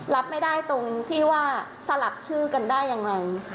รับไม่ได้ตรงที่ว่าสลับชื่อกันได้อย่างไร